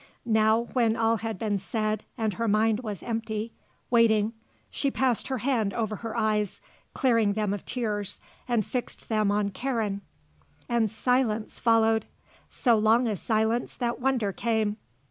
Now, when all had been said and her mind was empty, waiting, she passed her hand over her eyes, clearing them of tears, and fixed them on Karen. And silence followed. So long a silence that wonder came.